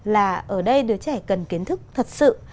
là ở đây đứa trẻ cần kiến thức thật sự